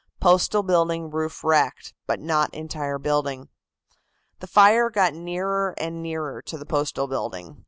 Postal building roof wrecked, but not entire building." The fire got nearer and nearer to the Postal building.